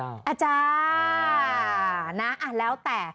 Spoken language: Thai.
อ่าจ้าแล้วแต่